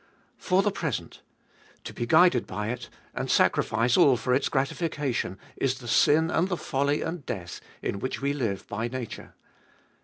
For the present : to be guided by it, and sacrifice all for its gratification, is the sin and the folly and death in which we live by nature.